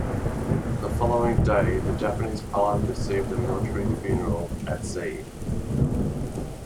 The following day, the Japanese pilot received a military funeral at sea.